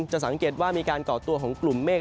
จะสังเกตว่ามีการก่อตัวของกลุ่มเมฆ